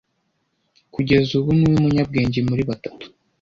Kugeza ubu niwe munyabwenge muri batatu.